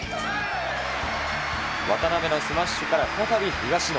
渡辺のスマッシュから再び東野。